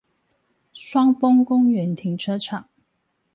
雙峰公園停車場